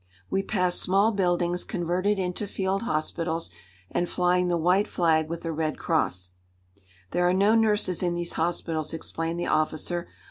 We passed small buildings converted into field hospitals and flying the white flag with a red cross. "There are no nurses in these hospitals," explained the officer.